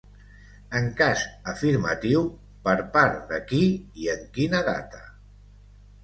En cas afirmatiu, per part de qui i en quina data?